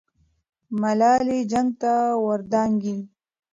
ملالۍ جنګ ته ور دانګي.